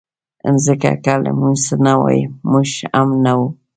مځکه که له موږ نه وای، موږ هم نه وو.